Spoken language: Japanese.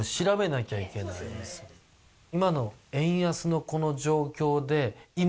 今の。